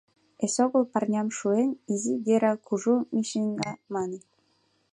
Эсогыл парням шуен, «Изи Гера — Кужу Мишиҥга» маныт.